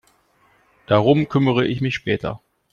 Darum kümmere ich mich später.